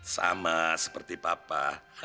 sama seperti papa